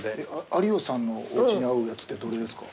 有吉さんのおうちに合うやつってどれですか？